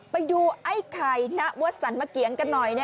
ไปดูไอ้ไข่ณวัดสรรมะเกียงกันหน่อย